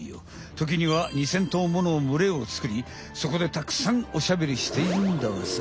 ときには２，０００とうもの群れをつくりそこでたくさんおしゃべりしているんだわさ。